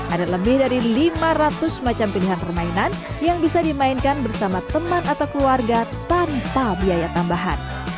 ada lebih dari lima ratus macam pilihan permainan yang bisa dimainkan bersama teman atau keluarga tanpa biaya tambahan